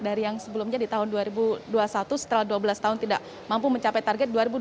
dari yang sebelumnya di tahun dua ribu dua puluh satu setelah dua belas tahun tidak mampu mencapai target